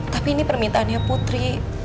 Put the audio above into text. tapi ini permintaannya putri